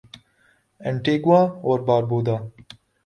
Antigua اور باربودا